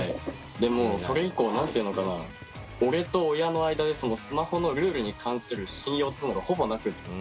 でもうそれ以降何て言うのかな俺と親の間でそのスマホのルールに関する信用っつうのがほぼなくって。